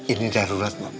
ini darurat mak